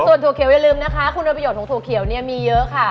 ส่วนถั่วเขียวอย่าลืมนะคะคุณประโยชนของถั่วเขียวเนี่ยมีเยอะค่ะ